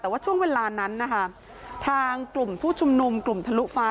แต่ว่าช่วงเวลานั้นนะคะทางกลุ่มผู้ชุมนุมกลุ่มทะลุฟ้า